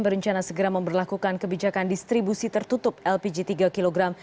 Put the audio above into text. berencana segera memperlakukan kebijakan distribusi tertutup lpg tiga kg